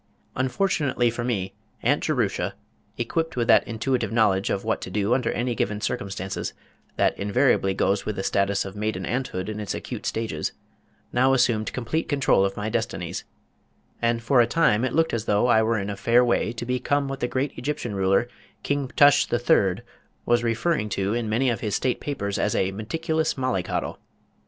Unfortunately for me Aunt Jerusha equipped with that intuitive knowledge of what to do under any given circumstances that invariably goes with the status of maiden aunthood in its acute stages, now assumed complete control of my destinies; and for a time it looked as though I were in a fair way to become what the great Egyptian ruler, King Ptush the Third was referring to in many of his State papers as a "Meticulous Mollycoddle."